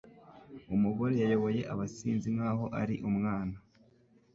Umugore yayoboye abasinzi nkaho ari umwana.